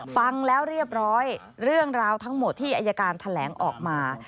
ฟังแล้วเรียบร้อยเรื่องราวทั้งหมดที่อายการแถลงออกมา